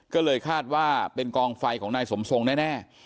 ก็เลยคาดว่าเป็นกองไฟของนายสมทรงแน่